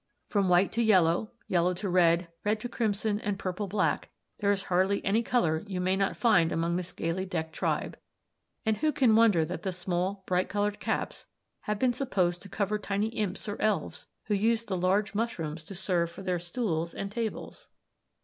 From white to yellow, yellow to red, red to crimson and purple black, there is hardly any colour you may not find among this gaily decked tribe; and who can wonder that the small bright coloured caps have been supposed to cover tiny imps or elves, who used the large mushrooms to serve for their stools and tables?